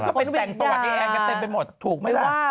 คนก็เป็นแว่งประวัติแอร์กันเต็มไปหมดถูกมั้ยละ